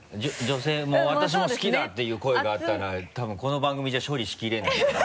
女性も「私も好きだ」っていう声があったら多分この番組じゃ処理しきれないと。